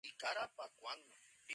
Is This Thing On".